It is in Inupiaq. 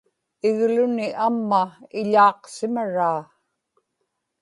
igluni amma iḷaaqsimaraa